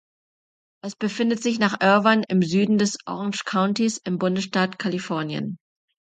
Es befindet sich nach Irvine im Süden des Orange Countys im Bundesstaat Kalifornien.